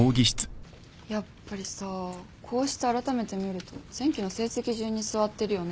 やっぱりさこうしてあらためて見ると前期の成績順に座ってるよね。